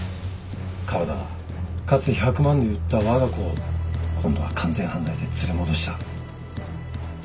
河田はかつて１００万で売ったわが子を今度は完全犯罪で連れ戻した。